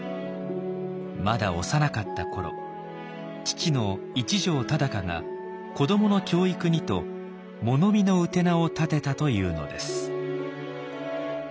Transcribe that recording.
まだ幼かった頃父の一条忠香が子どもの教育にと物見の臺を立てたというのです。